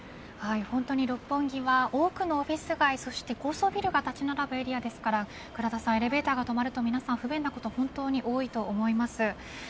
本当に六本木は多くのオフィス街そして高層ビルが立ち並ぶエリアですからエレベーターが止まると不便なことが多いと思います。